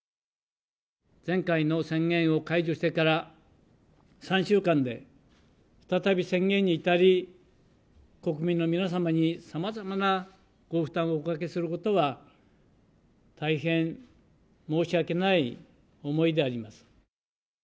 前回の宣言を解除してから３週間で再び宣言に至り、国民の皆様にさまざまなご負担をおかけすることは、大変申し訳ない思いであります。